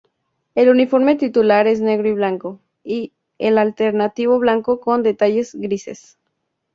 El uniforme titular es negro y blanco, y el alternativo blanco con detalles grises.